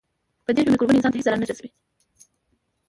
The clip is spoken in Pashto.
پدې ژوند کې مکروبونه انسان ته هیڅ ضرر نه رسوي.